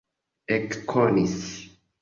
ekkonis